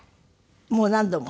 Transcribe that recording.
もう何度も？